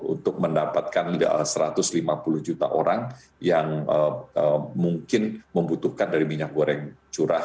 untuk mendapatkan satu ratus lima puluh juta orang yang mungkin membutuhkan dari minyak goreng curah